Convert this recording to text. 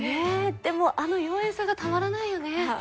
でもあの妖艶さがたまらないよね